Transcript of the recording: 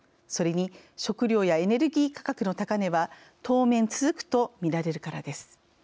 それに食料やエネルギー価格の高値は当面続くとみられるからです。